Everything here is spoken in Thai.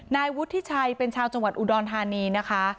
นายวุฒิชัยเป็นชาวจังหวัดอุดรธานีนะคะ